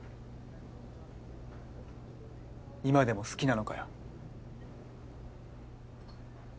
今でも好きなのかよ？